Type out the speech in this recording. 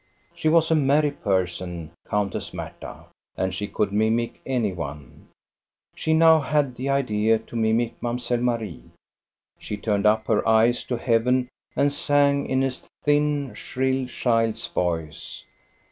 She was a merry person. Countess Marta, and she could mimic any one. She now had the idea to mimic Mamselle Marie. She turned up her eyes to heaven and sang in a thin, shrill, child's voice.